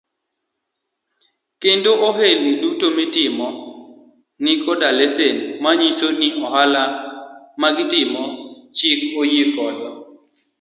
Kendo ohelni duto mitimo ni koda lesen manyiso ni ohala magitimo chik oyie godo.